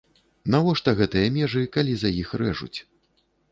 Навошта гэтыя межы, калі за іх рэжуць?